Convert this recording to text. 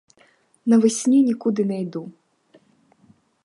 Навесні нікуди не йду.